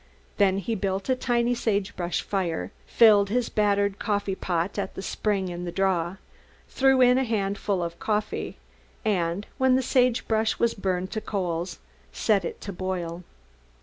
Then he built a tiny sagebrush fire, filled his battered coffee pot at the spring in the "draw," threw in a small handful of coffee, and, when the sagebrush was burned to coals, set it to boil.